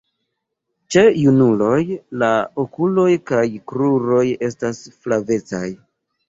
Ĉe junuloj la okuloj kaj kruroj estas flavecaj.